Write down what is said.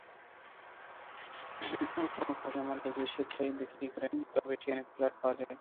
কোনো কারখানার মালিক যদি স্বেচ্ছায় বিক্রি করেন, তবেই সেখানে প্লট পাওয়া যায়।